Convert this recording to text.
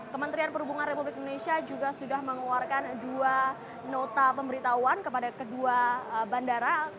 kementerian perhubungan republik indonesia juga sudah mengeluarkan dua nota pemberitahuan kepada kedua bandara